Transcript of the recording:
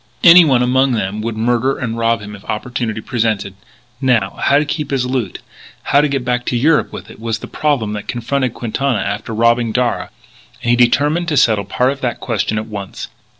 Anyone among them would murder and rob him if opportunity presented. Now, how to keep his loot; how to get back to Europe with it, was the problem that confronted Quintana after robbing Darragh. And he determined to settle part of that question at once.